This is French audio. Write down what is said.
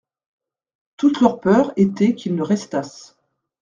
Toute leur peur était qu'ils ne restassent.